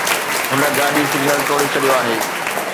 هن گاڏي سگنل ٽوڙي ڇڏيو آهي